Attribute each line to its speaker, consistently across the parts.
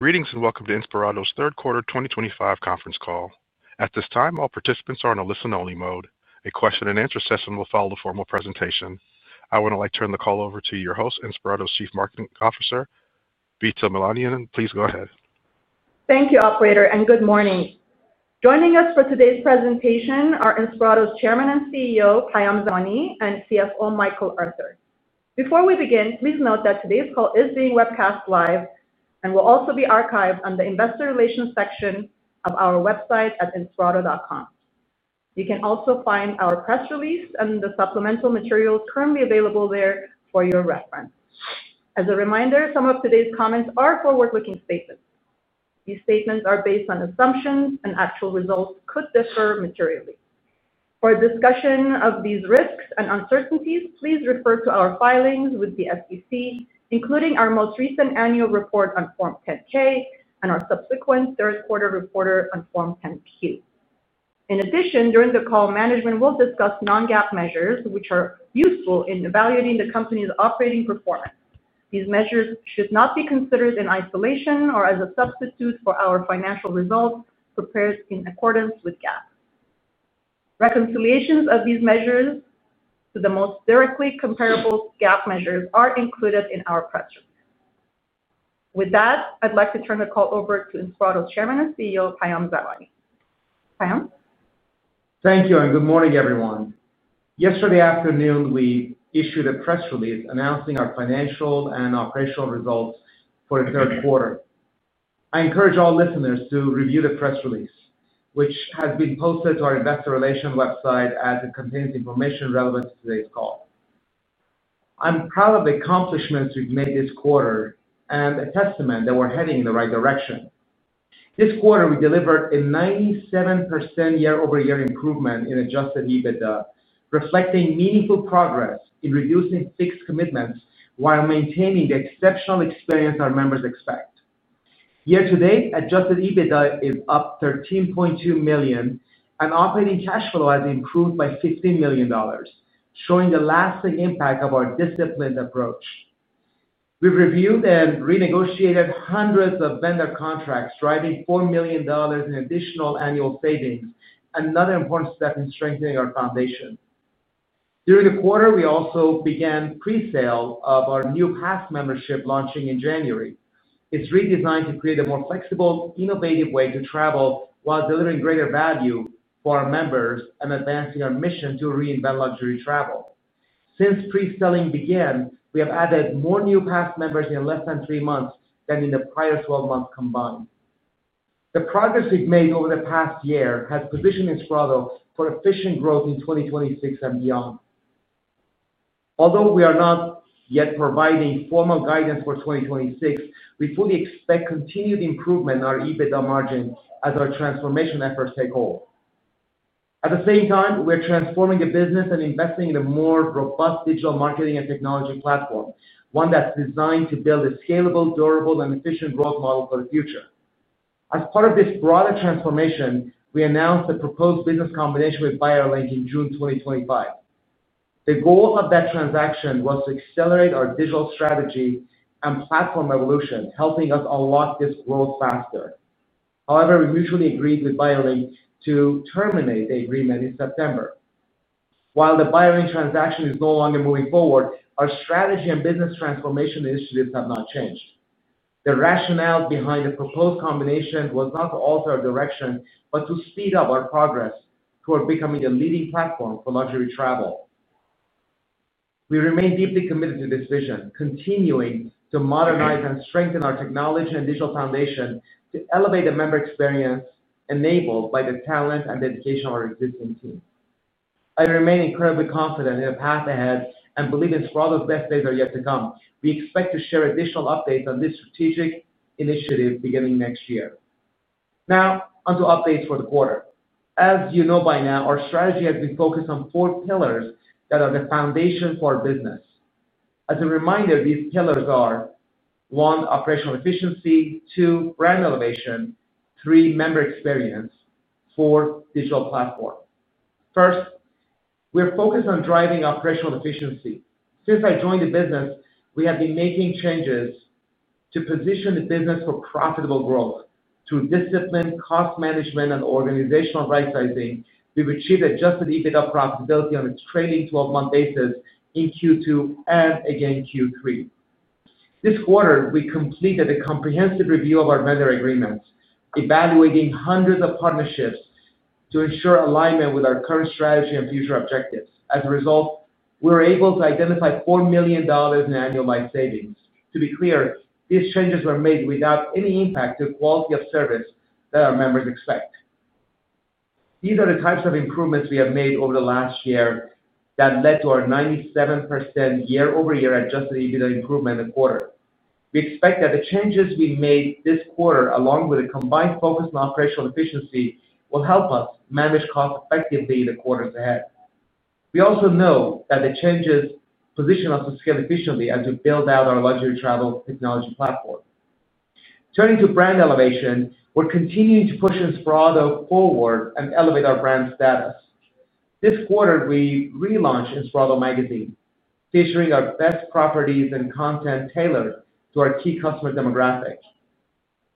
Speaker 1: Greetings and welcome to Inspirato's Third quarter 2025 Conference Call. At this time, all participants are in a Listen-only mode. A question-and-answer session will follow the formal presentation. I would now like to turn the call over to your host, Inspirato's Chief Marketing Officer, Bita Milanian. Please go ahead.
Speaker 2: Thank you, Operator, and good morning. Joining us for today's presentation are Inspirato's Chairman and CEO, Payam Zamani, and CFO, Michael Arthur. Before we begin, please note that today's call is being webcast live and will also be archived on the Investor Relations section of our website at inspirato.com. You can also find our press release and the supplemental materials currently available there for your reference. As a reminder, some of today's comments are forward-looking statements. These statements are based on assumptions, and actual results could differ materially. For discussion of these risks and uncertainties, please refer to our filings with the SEC, including our most recent annual report on Form 10-K and our subsequent Third-Quarter Report on Form 10-Q. In addition, during the call, management will discuss non-GAAP measures, which are useful in evaluating the company's operating performance. These measures should not be considered in isolation or as a substitute for our financial results prepared in accordance with GAAP. Reconciliations of these measures to the most directly comparable GAAP measures are included in our press release. With that, I'd like to turn the call over to Inspirato's Chairman and CEO, Payam Zamani. Payam?
Speaker 3: Thank you and good morning, everyone. Yesterday afternoon, we issued a press release announcing our financial and operational results for the third quarter. I encourage all listeners to review the press release, which has been posted to our Investor Relations website as it contains information relevant to today's call. I'm proud of the accomplishments we've made this quarter and a testament that we're heading in the right direction. This quarter, we delivered a 97% year-over-year improvement in adjusted EBITDA, reflecting meaningful progress in reducing fixed commitments while maintaining the exceptional experience our members expect. Year to date, adjusted EBITDA is up $13.2 million, and operating cash flow has improved by $15 million, showing the lasting impact of our disciplined approach. We've reviewed and renegotiated hundreds of vendor contracts, driving $4 million in additional annual savings, another important step in strengthening our foundation. During the quarter, we also began pre-sale of our new pass membership, launching in January. It's redesigned to create a more flexible, innovative way to travel while delivering greater value for our members and advancing our mission to reinvent luxury travel. Since pre-selling began, we have added more new pass members in less than three months than in the prior 12 months combined. The progress we've made over the past year has positioned Inspirato for efficient growth in 2026 and beyond. Although we are not yet providing formal guidance for 2026, we fully expect continued improvement in our EBITDA margin as our transformation efforts take hold. At the same time, we are transforming the business and investing in a more robust digital marketing and technology platform, one that's designed to build a scalable, durable, and efficient growth model for the future. As part of this broader transformation, we announced the proposed business combination with Buyerlink in June 2025. The goal of that transaction was to accelerate our digital strategy and platform evolution, helping us unlock this growth faster. However, we mutually agreed with Buyerlink to terminate the agreement in September. While the Buyerlink transaction is no longer moving forward, our strategy and business transformation initiatives have not changed. The rationale behind the proposed combination was not to alter our direction, but to speed up our progress toward becoming a leading platform for luxury travel. We remain deeply committed to this vision, continuing to modernize and strengthen our technology and digital foundation to elevate the member experience enabled by the talent and dedication of our existing team. I remain incredibly confident in the path ahead and believe Inspirato's best days are yet to come. We expect to share additional updates on this strategic initiative beginning next year. Now, onto updates for the quarter. As you know by now, our strategy has been focused on four pillars that are the foundation for our business. As a reminder, these pillars are: one, operational efficiency; two, brand elevation; three, member experience; four, digital platform. First, we are focused on driving operational efficiency. Since I joined the business, we have been making changes to position the business for profitable growth through discipline, cost management, and organizational right-sizing. We've achieved adjusted EBITDA profitability on a trailing 12-month basis in Q2 and again Q3. This quarter, we completed a comprehensive review of our vendor agreements, evaluating hundreds of partnerships to ensure alignment with our current strategy and future objectives. As a result, we were able to identify $4 million in annualized savings. To be clear, these changes were made without any impact to the quality of service that our members expect. These are the types of improvements we have made over the last year that led to our 97% year-over-year adjusted EBITDA improvement in the quarter. We expect that the changes we made this quarter, along with a combined focus on operational efficiency, will help us manage costs effectively in the quarters ahead. We also know that the changes position us to scale efficiently as we build out our luxury travel technology platform. Turning to brand elevation, we're continuing to push Inspirato forward and elevate our brand status. This quarter, we relaunched Inspirato Magazine, featuring our best properties and content tailored to our key customer demographic.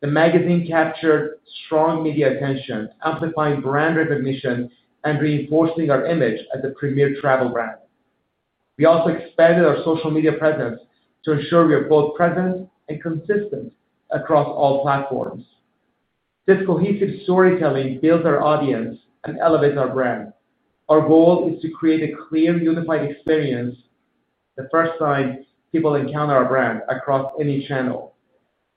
Speaker 3: The magazine captured strong media attention, amplifying brand recognition and reinforcing our image as a premier travel brand. We also expanded our social media presence to ensure we are both present and consistent across all platforms. This cohesive storytelling builds our audience and elevates our brand. Our goal is to create a clear, unified experience the first time people encounter our brand across any channel.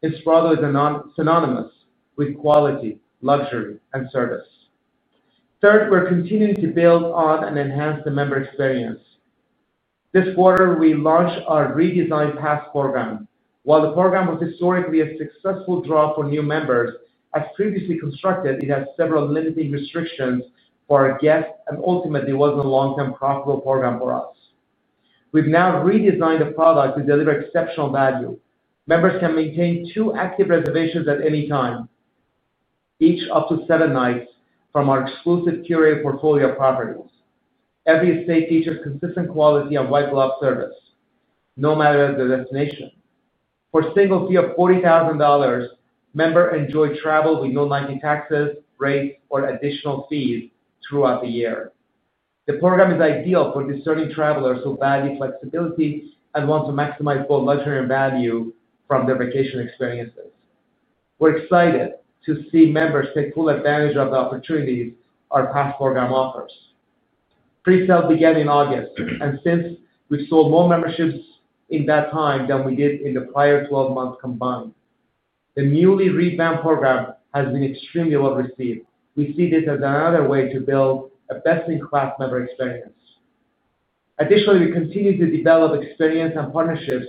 Speaker 3: Inspirato is synonymous with quality, luxury, and service. Third, we're continuing to build on and enhance the member experience. This quarter, we launched our redesigned Pass Program. While the program was historically a successful draw for new members, as previously constructed, it had several limiting restrictions for our guests and ultimately wasn't a long-term profitable program for us. We've now redesigned the product to deliver exceptional value. Members can maintain two active reservations at any time, each up to seven nights, from our exclusive curated portfolio of properties. Every stay features consistent quality and White-glove service, no matter the destination. For a single fee of $40,000, members enjoy travel with no lightning taxes, rates, or additional fees throughout the year. The program is ideal for discerning travelers who value flexibility and want to maximize both luxury and value from their vacation experiences. We're excited to see members take full advantage of the opportunities our PASS Program offers. Pre-sale began in August, and since we've sold more memberships in that time than we did in the prior 12 months combined. The newly revamped program has been extremely well received. We see this as another way to build a best-in-class member experience. Additionally, we continue to develop experiences and partnerships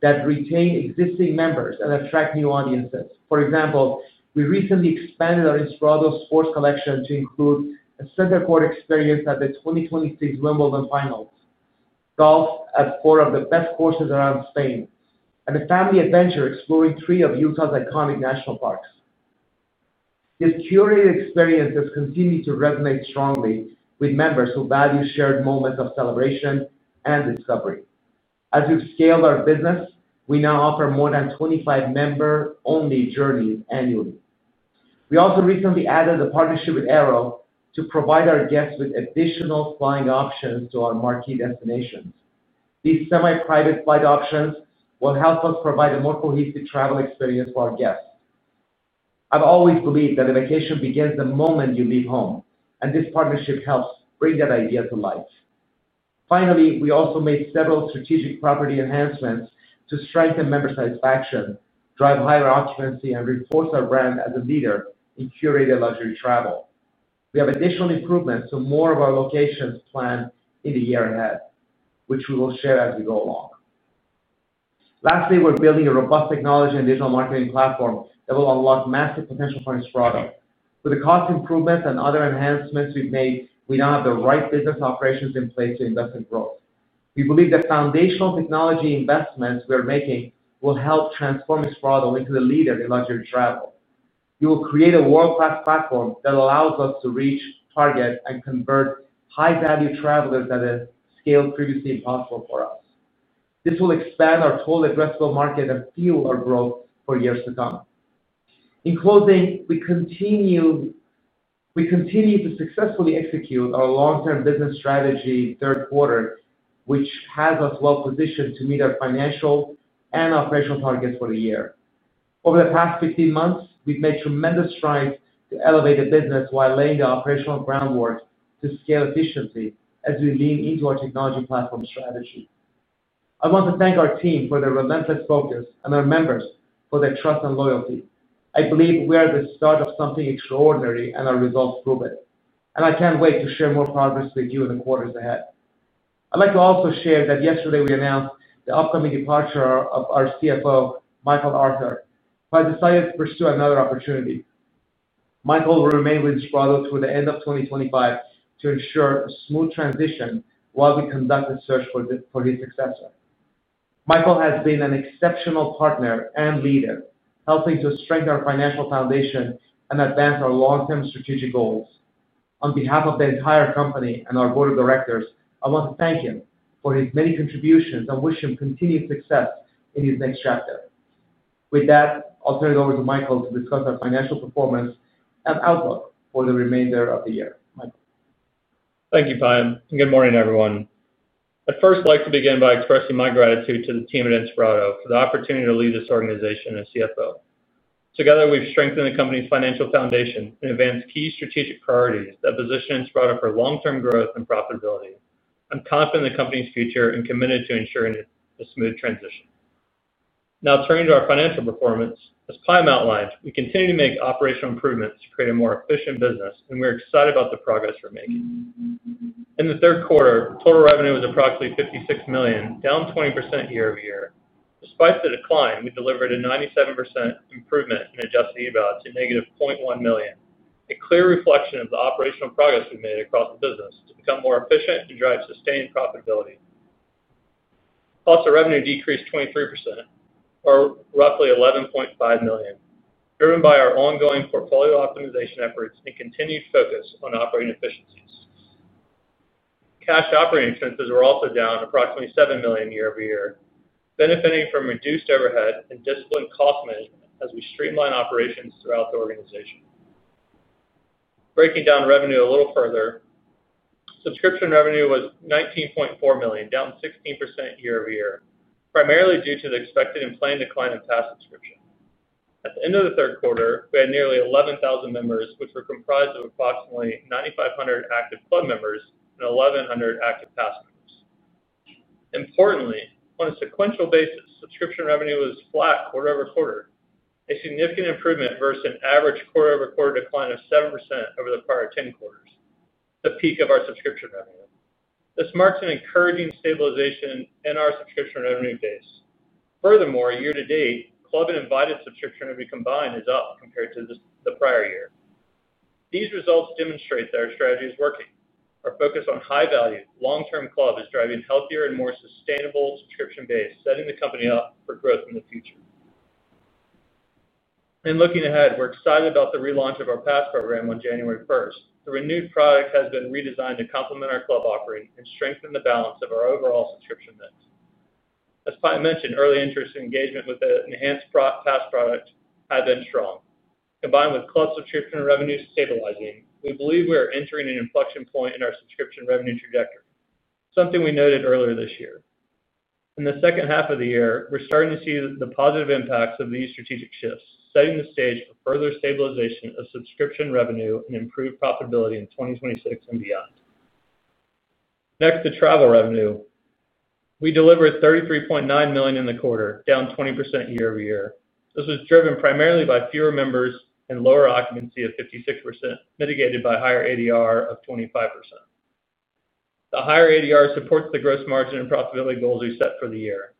Speaker 3: that retain existing members and attract new audiences. For example, we recently expanded our Inspirato sports collection to include a center court experience at the 2026 Wimbledon finals. Golf at four of the best courses around Spain, and a family adventure exploring three of Utah's iconic national parks. These curated experiences continue to resonate strongly with members who value shared moments of celebration and discovery. As we've scaled our business, we now offer more than 25 member-only journeys annually. We also recently added a partnership with Aero to provide our guests with additional flying options to our marquee destinations. These semi-private flight options will help us provide a more cohesive travel experience for our guests. I've always believed that a vacation begins the moment you leave home, and this partnership helps bring that idea to life. Finally, we also made several strategic property enhancements to strengthen member satisfaction, drive higher occupancy, and reinforce our brand as a leader in curated luxury travel. We have additional improvements to more of our locations planned in the year ahead, which we will share as we go along. Lastly, we're building a robust technology and digital marketing platform that will unlock massive potential for Inspirato. With the cost improvements and other enhancements we've made, we now have the right business operations in place to invest in growth. We believe the foundational technology investments we are making will help transform Inspirato into the leader in luxury travel. We will create a world-class platform that allows us to reach, target, and convert high-value travelers that have scaled previously impossible for us. This will expand our total addressable market and fuel our growth for years to come. In closing, we continue to successfully execute our long-term business strategy third quarter, which has us well-positioned to meet our financial and operational targets for the year. Over the past 15 months, we've made tremendous strides to elevate the business while laying the operational groundwork to scale efficiency as we lean into our technology platform strategy. I want to thank our team for their relentless focus and our members for their trust and loyalty. I believe we are at the start of something extraordinary, and our results prove it. I can't wait to share more progress with you in the quarters ahead. I'd like to also share that yesterday we announced the upcoming departure of our CFO, Michael Arthur, who has decided to pursue another opportunity. Michael will remain with Inspirato through the end of 2025 to ensure a smooth transition while we conduct the search for his successor. Michael has been an exceptional partner and leader, helping to strengthen our financial foundation and advance our long-term strategic goals. On behalf of the entire company and our board of directors, I want to thank him for his many contributions and wish him continued success in his next chapter. With that, I'll turn it over to Michael to discuss our financial performance and outlook for the remainder of the year. Michael.
Speaker 4: Thank you, Payam. Good morning, everyone. I'd first like to begin by expressing my gratitude to the team at Inspirato for the opportunity to lead this organization as CFO. Together, we've strengthened the company's financial foundation and advanced key strategic priorities that position Inspirato for long-term growth and profitability. I'm confident in the company's future and committed to ensuring a smooth transition. Now, turning to our financial performance, as Payam outlined, we continue to make operational improvements to create a more efficient business, and we're excited about the progress we're making. In the third quarter, total revenue was approximately $56 million, down 20% year-over-year. Despite the decline, we delivered a 97% improvement in adjusted EBITDA to negative $0.1 million, a clear reflection of the operational progress we've made across the business to become more efficient and drive sustained profitability. Plus, our revenue decreased 23%. Or roughly $11.5 million, driven by our ongoing portfolio optimization efforts and continued focus on operating efficiencies. Cash operating expenses were also down approximately $7 million year-over-year, benefiting from reduced overhead and disciplined cost management as we streamline operations throughout the organization. Breaking down revenue a little further, subscription revenue was $19.4 million, down 16% year-over-year, primarily due to the expected and planned decline in pass subscription. At the end of the third quarter, we had nearly 11,000 members, which were comprised of approximately 9,500 active club members and 1,100 active pass members. Importantly, on a sequential basis, subscription revenue was flat quarter over quarter, a significant improvement versus an average quarter-over-quarter decline of 7% over the prior 10 quarters, the peak of our subscription revenue. This marks an encouraging stabilization in our subscription revenue base. Furthermore, year to date, club and invited subscription revenue combined is up compared to the prior year. These results demonstrate that our strategy is working. Our focus on high-value, long-term club is driving a healthier and more sustainable subscription base, setting the company up for growth in the future. In looking ahead, we're excited about the relaunch of our PASS Program on January 1. The renewed product has been redesigned to complement our club offering and strengthen the balance of our overall subscription mix. As Payam mentioned, early interest and engagement with the enhanced Pass product have been strong. Combined with club subscription revenue stabilizing, we believe we are entering an inflection point in our subscription revenue trajectory, something we noted earlier this year. In the second half of the year, we're starting to see the positive impacts of these strategic shifts, setting the stage for further stabilization of subscription revenue and improved profitability in 2026 and beyond. Next, the travel revenue. We delivered $33.9 million in the quarter, down 20% year-over-year. This was driven primarily by fewer members and lower occupancy of 56%, mitigated by higher ADR of 25%. The higher ADR supports the gross margin and profitability goals we set for the year.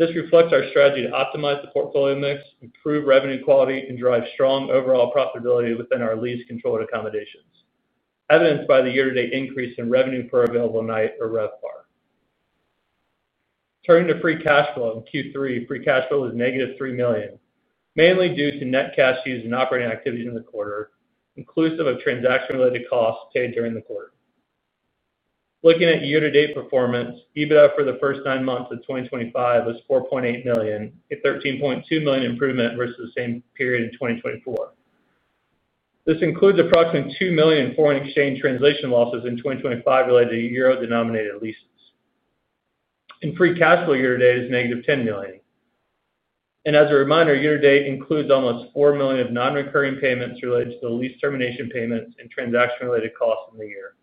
Speaker 4: This reflects our strategy to optimize the portfolio mix, improve revenue quality, and drive strong overall profitability within our lease-controlled accommodations, evidenced by the year-to-date increase in revenue per available night or RevPAR. Turning to free cash flow, in Q3, free cash flow was negative $3 million, mainly due to net cash used in operating activities in the quarter, inclusive of transaction-related costs paid during the quarter. Looking at year-to-date performance, EBITDA for the first nine months of 2025 was $4.8 million, a $13.2 million improvement versus the same period in 2024. This includes approximately $2 million in foreign exchange translation losses in 2025 related to euro-denominated leases. Free cash flow year-to-date is negative $10 million. As a reminder, year-to-date includes almost $4 million of non-recurring payments related to the lease termination payments and transaction-related costs in the year.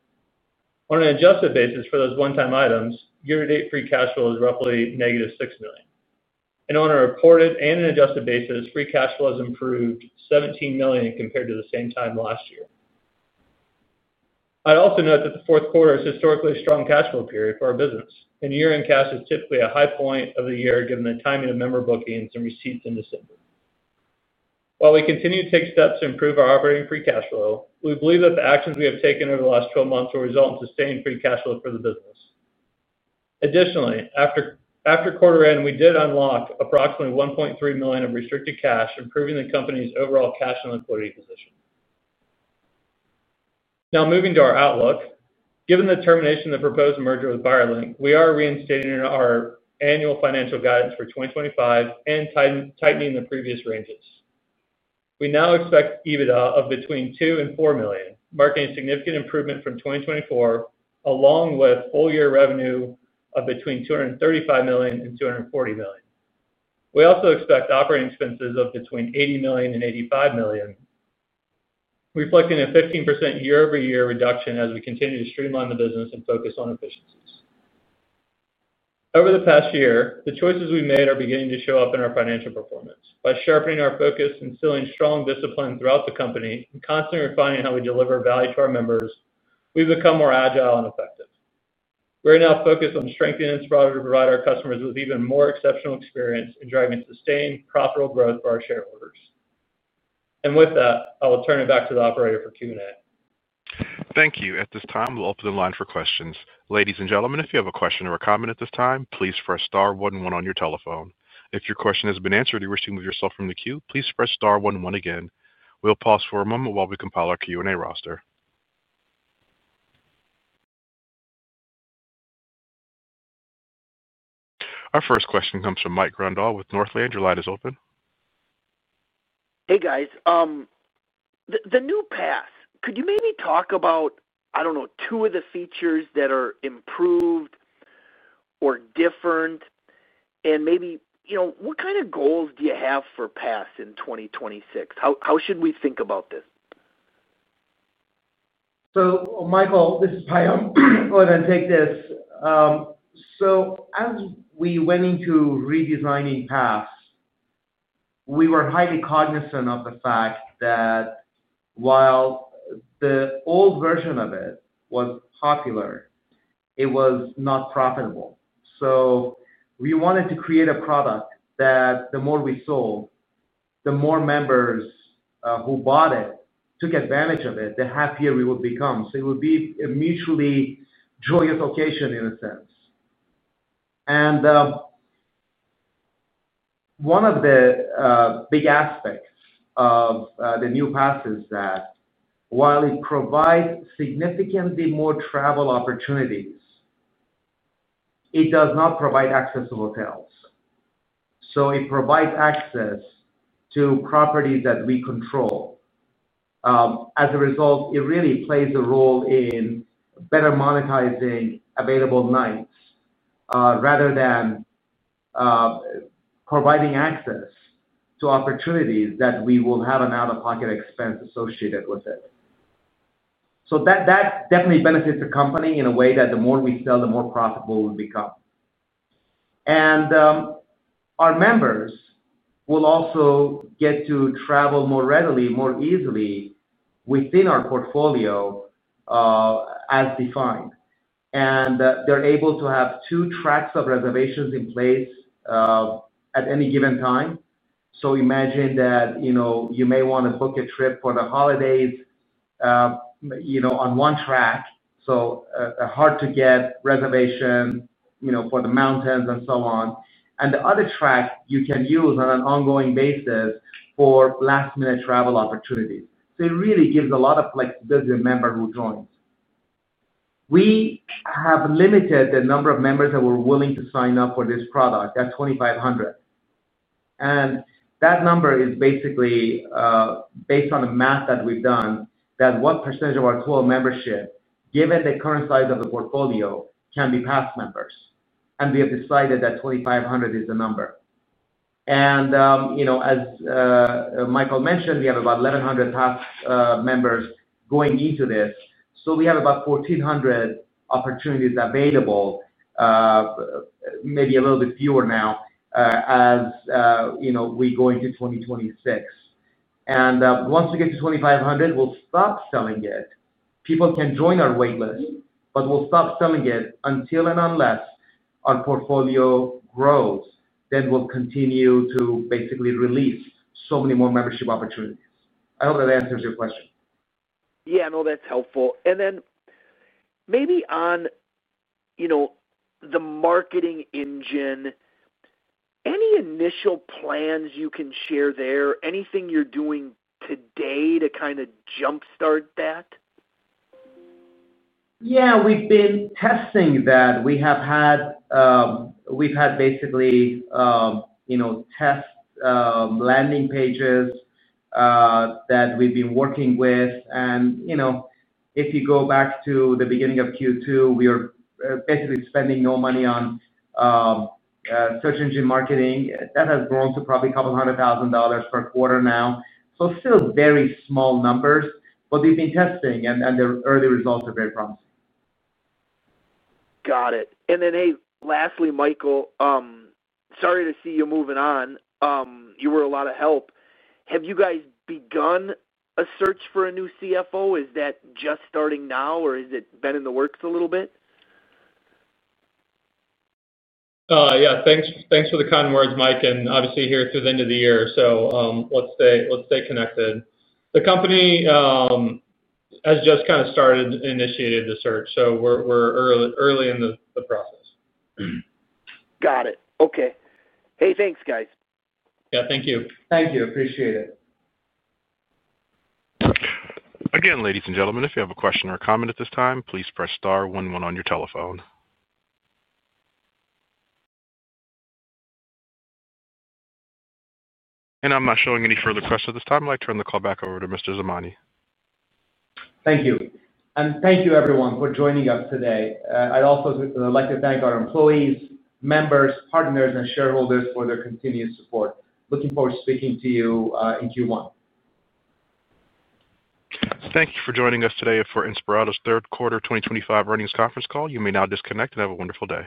Speaker 4: On an adjusted basis for those one-time items, year-to-date free cash flow is roughly negative $6 million. On a reported and an adjusted basis, free cash flow has improved $17 million compared to the same time last year. I'd also note that the fourth quarter is historically a strong cash flow period for our business. Year-end cash is typically a high point of the year given the timing of member bookings and receipts in December. While we continue to take steps to improve our operating free cash flow, we believe that the actions we have taken over the last 12 months will result in sustained free cash flow for the business. Additionally, after quarter end, we did unlock approximately $1.3 million of restricted cash, improving the company's overall cash and liquidity position. Now, moving to our outlook, given the termination of the proposed merger with BuyerLink, we are reinstating our annual financial guidance for 2025 and tightening the previous ranges. We now expect EBITDA of between $2 million and $4 million, marking a significant improvement from 2024, along with full-year revenue of between $235 million and $240 million. We also expect operating expenses of between $80 million and $85 million, reflecting a 15% year-over-year reduction as we continue to streamline the business and focus on efficiencies. Over the past year, the choices we've made are beginning to show up in our financial performance. By sharpening our focus and instilling strong discipline throughout the company and constantly refining how we deliver value to our members, we've become more agile and effective. We are now focused on strengthening Inspirato to provide our customers with even more exceptional experience in driving sustained, profitable growth for our shareholders. With that, I will turn it back to the operator for Q&A.
Speaker 1: Thank you. At this time, we'll open the line for questions. Ladies and gentlemen, if you have a question or a comment at this time, please press star 11 on your telephone. If your question has been answered or you wish to move yourself from the queue, please press star 11 again. We'll pause for a moment while we compile our Q&A roster. Our first question comes from Mike Grondahl with Northland. Your line is open.
Speaker 5: Hey, guys. The new Pass, could you maybe talk about, I don't know, two of the features that are improved or different? And maybe, what kind of goals do you have for Pass in 2026? How should we think about this?
Speaker 3: Michael, this is Payam. I'm going to take this. As we went into redesigning Pass, we were highly cognizant of the fact that, while the old version of it was popular, it was not profitable. We wanted to create a product that the more we sold, the more members who bought it took advantage of it, the happier we would become. It would be a mutually joyous occasion in a sense. One of the big aspects of the new Pass is that, while it provides significantly more travel opportunities, it does not provide access to hotels. It provides access to properties that we control. As a result, it really plays a role in better monetizing available nights rather than providing access to opportunities that we will have an out-of-pocket expense associated with. That definitely benefits the company in a way that the more we sell, the more profitable we become. Our members will also get to travel more readily, more easily within our portfolio as defined. They are able to have two tracks of reservations in place at any given time. Imagine that you may want to book a trip for the holidays on one track, so a hard-to-get reservation for the mountains and so on, and the other track you can use on an ongoing basis for last-minute travel opportunities. It really gives a lot of flexibility to the member who joins. We have limited the number of members that we are willing to sign up for this product. That is 2,500, and that number is basically. Based on the math that we've done, that 1% of our total membership, given the current size of the portfolio, can be Pass members. We have decided that 2,500 is the number. As Michael mentioned, we have about 1,100 Pass members going into this. We have about 1,400 opportunities available, maybe a little bit fewer now, as we go into 2026. Once we get to 2,500, we'll stop selling it. People can join our waitlist, but we'll stop selling it until and unless our portfolio grows. Then we'll continue to basically release so many more membership opportunities. I hope that answers your question.
Speaker 5: Yeah. No, that's helpful. Maybe on the marketing engine. Any initial plans you can share there? Anything you're doing today to kind of jump-start that?
Speaker 3: Yeah. We've been testing that. We have had basically test landing pages that we've been working with. If you go back to the beginning of Q2, we were basically spending no money on search engine marketing. That has grown to probably a couple of hundred thousand dollars per quarter now. Still very small numbers, but we've been testing, and the early results are very promising.
Speaker 5: Got it. And then, hey, lastly, Michael. Sorry to see you moving on. You were a lot of help. Have you guys begun a search for a new CFO? Is that just starting now, or has it been in the works a little bit?
Speaker 4: Yeah. Thanks for the kind words, Mike. Obviously, here through the end of the year, so let's stay connected. The company has just kind of started and initiated the search. We're early in the process.
Speaker 5: Got it. Okay. Hey, thanks, guys.
Speaker 4: Yeah. Thank you.
Speaker 3: Thank you. Appreciate it.
Speaker 1: Again, ladies and gentlemen, if you have a question or a comment at this time, please press star 11 on your telephone. I am not showing any further questions at this time. I would like to turn the call back over to Mr. Zamani.
Speaker 3: Thank you. Thank you, everyone, for joining us today. I'd also like to thank our employees, members, partners, and shareholders for their continued support. Looking forward to speaking to you in Q1.
Speaker 1: Thank you for joining us today for Inspirato's third quarter 2025 earnings conference call. You may now disconnect and have a wonderful day.